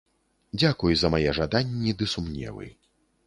Дзякуй за мае жаданні ды сумневы.